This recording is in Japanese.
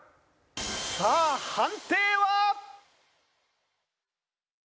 さあ判定は。